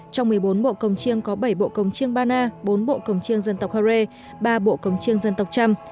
trong một mươi bốn bộ cồng chiêng có bảy bộ cồng chiêng bana bốn bộ cồng chiêng dân tộc ho re ba bộ cồng chiêng dân tộc cham